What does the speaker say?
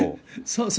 そう。